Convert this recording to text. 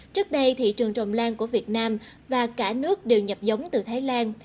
trước đây thị trường trồng lan của việt nam và cả nước đều nhập giống từ thái lan